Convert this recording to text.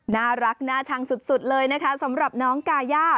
น่ารักน่าชังสุดเลยนะคะสำหรับน้องกาย่า